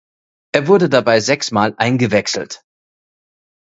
Er wurde dabei sechsmal eingewechselt.